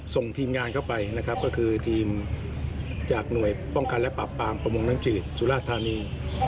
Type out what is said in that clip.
ส่งทีมงานเข้าไปนะครับก็คือทีมจากหน่วยป้องกันและปรับปรามประมงน้ำจืดสุราธานี